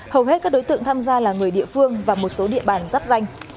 hầu hết các đối tượng tham gia là người địa phương và một số địa bàn giáp danh